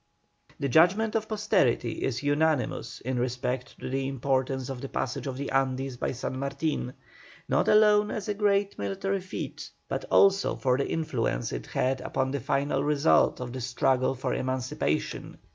The judgment of posterity is unanimous in respect to the importance of the passage of the Andes by San Martin, not alone as a great military feat, but also for the influence it had upon the final result of the struggle for emancipation.